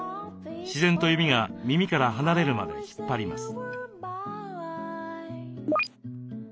自然と指が耳から離れるまで引っ張ります。